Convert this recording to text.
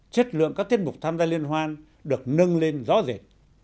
chất lượng các tiết mục tham gia liên hoan được nâng lên rõ rệt